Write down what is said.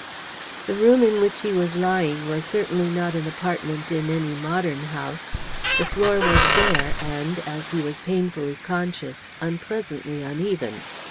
The room in which he was lying was certainly not an apartment in any modern house. The floor was bare, and, as he was painfully conscious, unpleasantly uneven.